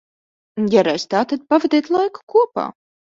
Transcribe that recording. Ja reiz tā, tad pavadiet kopā laiku.